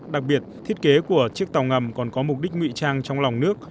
đặc biệt thiết kế của chiếc tàu ngầm còn có mục đích nguy trang trong lòng nước